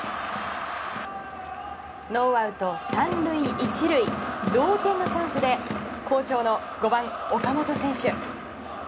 ノーアウト３塁１塁同点のチャンスで、好調の５番、岡本選手。